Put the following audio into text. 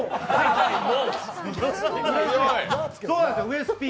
ウエスＰ！